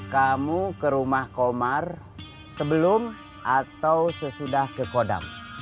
kamu ke rumah komar sebelum atau sesudah ke kodam